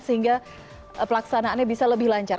sehingga pelaksanaannya bisa lebih lancar